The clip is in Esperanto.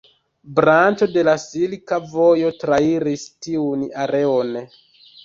Branĉo de la Silka Vojo trairis tiun areon.